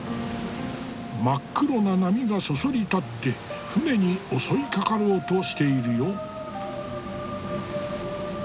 真っ黒な波がそそり立って船に襲いかかろうとしているよ。